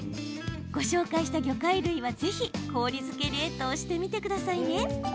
ご紹介した魚介類は、ぜひ氷漬け冷凍してみてくださいね。